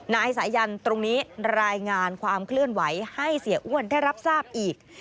นายสายันตรงนี้รายงานความเคลื่อนไหวให้เสียอ้วนได้รับทราบอีก